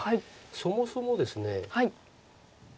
そもそもですね。